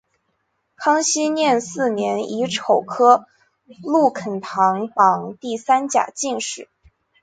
康熙廿四年乙丑科陆肯堂榜第三甲进士。